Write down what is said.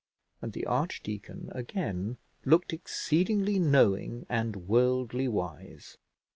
And the archdeacon again looked exceedingly knowing and worldly wise.